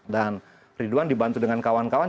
dan ridwan dibantu dengan kawan kawan